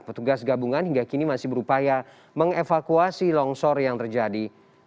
petugas gabungan hingga kini masih berupaya mengevakuasi longsor yang terjadi